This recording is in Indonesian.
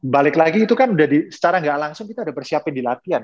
balik lagi itu kan udah secara gak langsung kita udah bersiapin di latihan